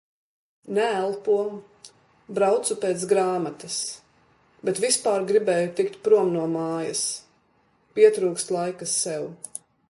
Neelpo. Braucu pēc grāmatas. Bet vispār gribēju tikt prom no mājas. Pietrūkst laika sev.